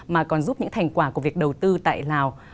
mà còn giúp những thành quả của việc đầu tư tại lào